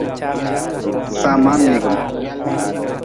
Samaa miigm.